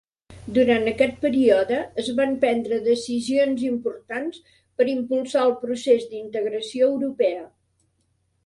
Durant aquest període, es van prendre decisions importants per impulsar el procés d'integració europea.